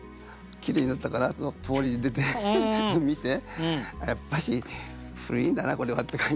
「きれいになったかな？」と通りに出て見て「やっぱし古いんだなこれは」って感じで。